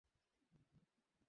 সেজন্যই কি এখানে এসেছেন?